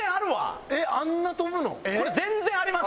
これ全然あります！